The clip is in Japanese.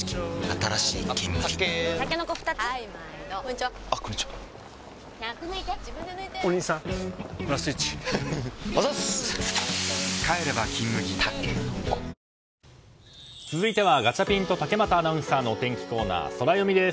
たけのこ続いてはガチャピンと竹俣アナウンサーのお天気コーナー、ソラよみです。